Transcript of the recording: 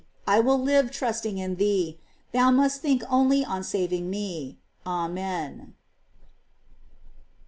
I will live trusting in thee. Thou must think only on saving me. Amen.